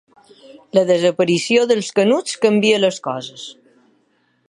La desaparició dels Canuts canvia les coses.